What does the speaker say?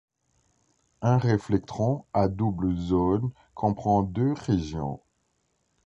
Un réflectron à double zone comprend deux régions.